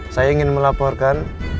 saya ingin melaporkan